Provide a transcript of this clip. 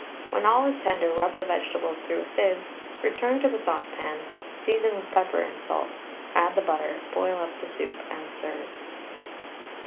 When all is tender, rub the vegetables through a sieve, return to the saucepan, season with pepper and salt, add the butter, boil up the soup, and serve.